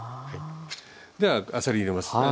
ではあさり入れますね。